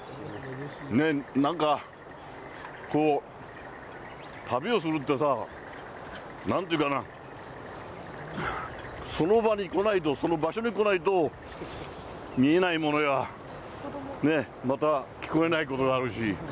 なんかこう、旅をするってさ、なんていうかな、その場に来ないと、その場所に来ないと見えないものや、また聞こえないことがあるし。